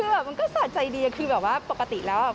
คือแบบมันก็สะใจดีคือแบบว่าปกติแล้วอ่ะ